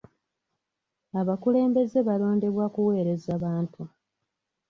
Abakulembeze balondebwa kuweereza bantu.